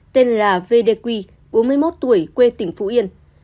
tên là v d quy bốn mươi một tuổi quê tỉnh phú yên